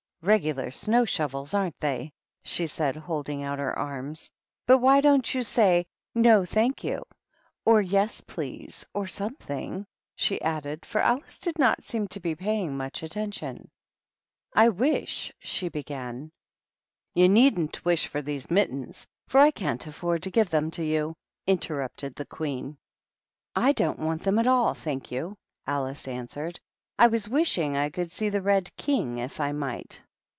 " Regular snow shovels, aren't they?" she said, holding out her arms. " But why don't you say ^ iVb, thank you^ or ' Yes^ please,^ or something f^ she added, for Alice did not seem to be paying much attention. 12* 138 THE RED Qn££N AND THE DVCHEaa "I wish " she began. "You needn't wish for these mittens, for I can't afford to give them to you," interrupted the Queen. " I don't want them at all, thank you," AJice answered. " I was wishing I could see the Ked King if I might."